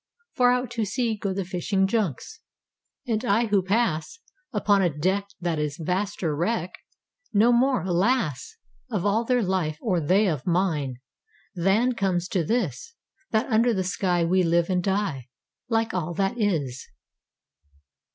Far out to sea go the fishing junks, And I who pass Upon a deck that is vaster reck No more, alas, Of all their life, or they of mine, Than comes to this, That under the sky we live and die, Like all that is.